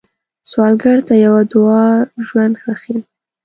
سوالګر ته یوه دعا ژوند بښي